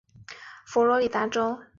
佛罗里达州的县是州政府的分支。